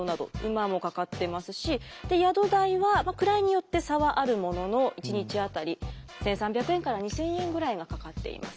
馬もかかってますし宿代は位によって差はあるものの一日当たり１，３００円から２，０００円ぐらいがかかっています。